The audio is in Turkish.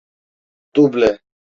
Duble.